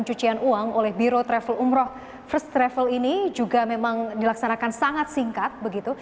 cucian uang oleh biro travel umroh first travel ini juga memang dilaksanakan sangat singkat begitu